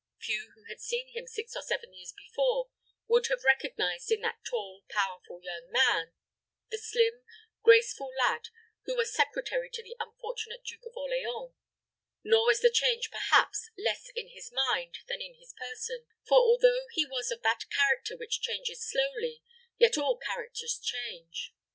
Few who had seen him six or seven years before would have recognized in that tall, powerful young man, the slim, graceful lad who was secretary to the unfortunate Duke of Orleans; nor was the change, perhaps, less in his mind than in his person, for although he was of that character which changes slowly, yet all characters change.